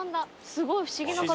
・すごい不思議な形。